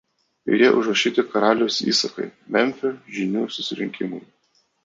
Joje užrašyti karaliaus įsakai Memfio žynių susirinkimui.